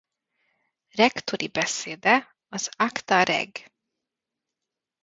Rektori beszéde az Acta reg.